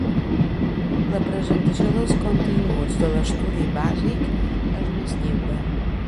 La presentació dels continguts de l'Estudi Bàsic és més lliure.